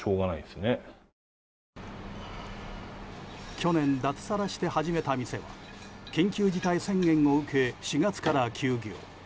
去年、脱サラして始めた店は緊急事態宣言を受け４月から休業。